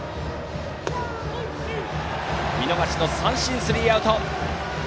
見逃しの三振でスリーアウト！